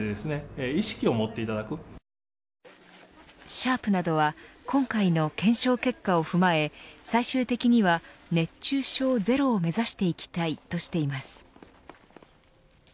シャープなどは今回の検証結果を踏まえ最終的には熱中症ゼロを目指していきたいとしています。